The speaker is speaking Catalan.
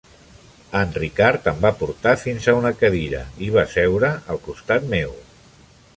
En Ricard em va portar fins a una cadira i va seure al costat meu.